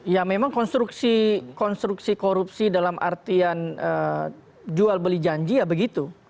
ya memang konstruksi korupsi dalam artian jual beli janji ya begitu